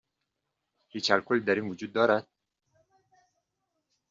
هیچ الکلی در این وجود دارد؟